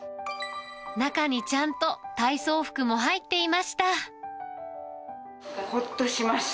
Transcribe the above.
中にちゃんと体操服も入っていました。